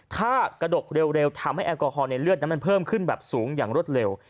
ถ้ากระดกเร็วทำให้แอลกอฮอลในเลือดนั้นมันเพิ่มขึ้นแบบสูงอย่างรวดเร็ว